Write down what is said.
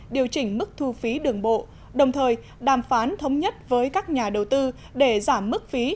điều chỉnh mức thu phí đường bộ đồng thời đàm phán thống nhất với các nhà đầu tư để giảm mức phí